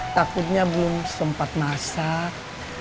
takutnya belum sempat masak